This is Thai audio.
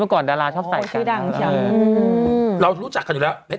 ของดาราชอบใส่